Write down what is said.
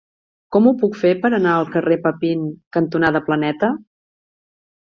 Com ho puc fer per anar al carrer Papin cantonada Planeta?